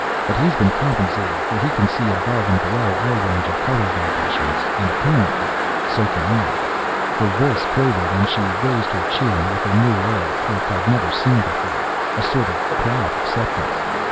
But he's been compensated for he can see above and below our range of color vibrations and apparently so can I!" Her voice quavered and she raised her chin with a new air Cliff had never seen before a sort of proud acceptance.